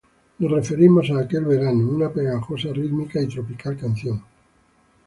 Nos referimos a: "Aquel Verano", una pegajosa, rítmica y tropical canción.